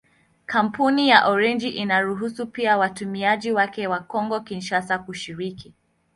Kampuni ya Orange inaruhusu pia watumiaji wake wa Kongo-Kinshasa kushiriki.